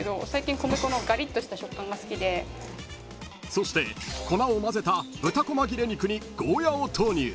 ［そして粉を混ぜた豚こま切れ肉にゴーヤを投入］